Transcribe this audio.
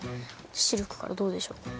シルクからどうでしょう？